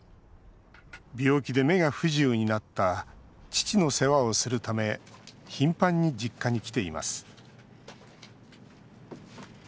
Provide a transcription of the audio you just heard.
病気で目が不自由になった父の世話をするため頻繁に実家に来ています。